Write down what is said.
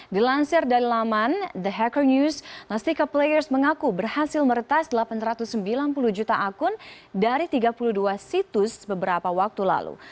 dilansir dari laman the hacker news nostica players mengaku berhasil meretas delapan ratus sembilan puluh juta akun dari tiga puluh dua situs beberapa waktu lalu